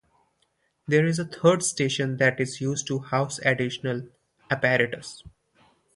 There is a third station that is used to house additional apparatus.